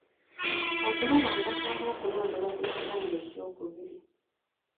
Okulaba ng'addamu okulondebwa ku kisanja ekyokubiri.